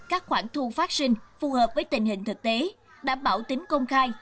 các khoản thu phát sinh phù hợp với tình hình thực tế đảm bảo tính công khai